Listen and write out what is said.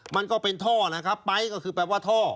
มันก็เป็นท่อนะครับไป๊ก็คือแปลว่าท่อ